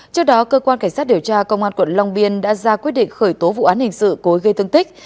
trước đó cơ quan cảnh sát điều tra công an quận long biên đã ra quyết định khởi tố vụ án hình sự cố ý gây thương tích